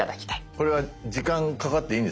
これは時間かかっていいんですね？